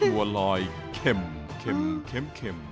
บัวลอยเข็ม